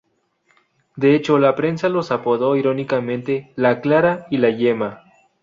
De hecho, la prensa las apodó irónicamente "La Clara y la Yema".